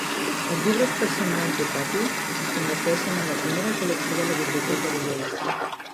Els llibres personals de Pattee es converteixen en la primera col·lecció de la biblioteca de lleis.